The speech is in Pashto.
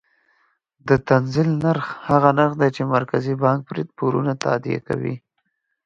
د تنزیل نرخ هغه نرخ دی چې مرکزي بانک پرې پورونه تادیه کوي.